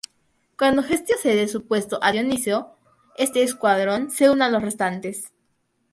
Cuando Hestia cede su puesto a Dioniso, este escuadrón se une a los restantes.